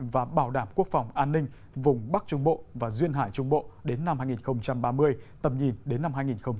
và bảo đảm quốc phòng an ninh vùng bắc trung bộ và duyên hải trung bộ đến năm hai nghìn ba mươi tầm nhìn đến năm hai nghìn bốn mươi năm